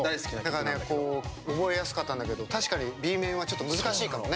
だからね覚えやすかったんだけど確かにＢ面はちょっと難しいかもね。